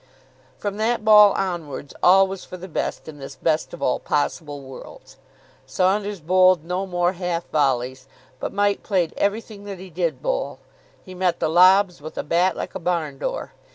From that ball onwards all was for the best in this best of all possible worlds. Saunders bowled no more half volleys; but Mike played everything that he did bowl. He met the lobs with a bat like a barn door.